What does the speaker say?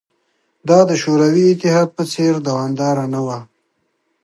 دا د شوروي اتحاد په څېر دوامداره نه وه